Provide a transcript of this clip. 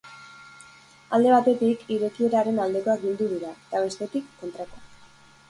Alde batetik, irekieraren aldekoak bildu dira, eta bestetik, kontrakoak.